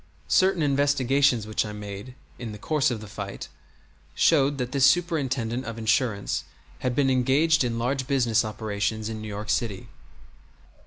Certain investigations which I made in the course of the fight showed that this Superintendent of Insurance had been engaged in large business operations in New York City.